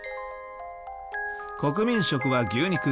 国民食は牛肉。